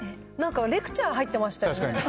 なんかレクチャー入ってましたね。